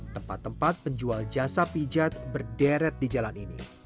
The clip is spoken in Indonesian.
tempat tempat penjual jasa pijat berderet di jalan ini